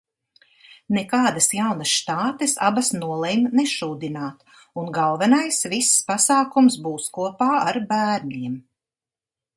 Nekādas jaunas štātes abas nolemj nešūdināt, un galvenais viss pasākums būs kopā ar bērniem.